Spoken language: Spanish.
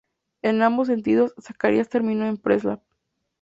En ambos sentidos, Zacarías terminó en Preslav.